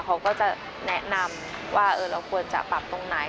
เขาก็จะแนะนำว่าเราควรจะปรับตรงไหน